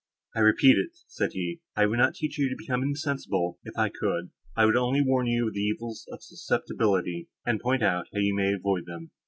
"I repeat it," said he, "I would not teach you to become insensible, if I could; I would only warn you of the evils of susceptibility, and point out how you may avoid them.